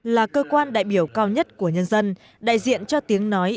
là cơ quan đại biểu cao nhất của nhân dân đại diện cho tiếng nói